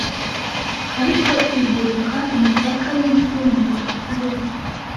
Ariko iguruka imipaka yibyumviro - ubeho